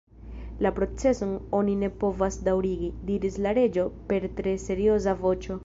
"La proceson oni ne povas daŭrigi," diris la Reĝo per tre serioza voĉo.